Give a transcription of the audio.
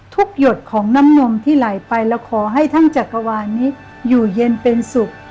หยดของน้ำนมที่ไหลไปแล้วขอให้ทั้งจักรวาลนี้อยู่เย็นเป็นสุข